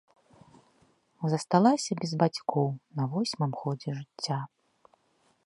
Засталася без бацькоў на восьмым годзе жыцця.